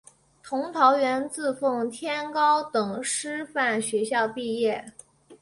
佟兆元自奉天高等师范学校毕业。